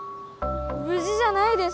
ぶじじゃないです！